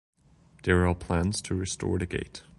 There are plans to restore the gate.